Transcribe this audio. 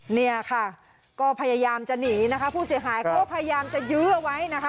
เนี่ยค่ะก็พยายามจะหนีนะคะผู้เสียหายเขาก็พยายามจะยื้อเอาไว้นะคะ